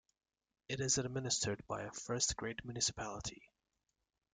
It is administered by a first grade municipality.